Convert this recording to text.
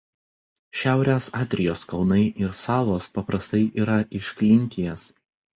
Šiaurės Adrijos kalnai ir salos paprastai yra iš klinties.